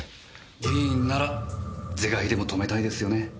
議員なら是が非でも止めたいですよね？